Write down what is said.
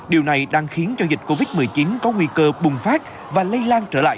điều này đang khiến cho dịch covid một mươi chín có nguy cơ bùng phát và lây lan trở lại